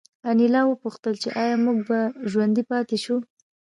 انیلا وپوښتل چې ایا موږ به ژوندي پاتې شو